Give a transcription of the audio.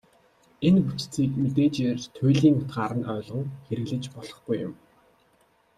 Энэ бүтцийг мэдээжээр туйлын утгаар нь ойлгон хэрэглэж болохгүй юм.